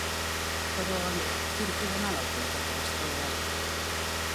Però, en quin tribunal el plet encara està obert?